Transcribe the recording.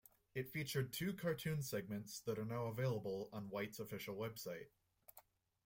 It featured two cartoon segments that are now available on White's official website.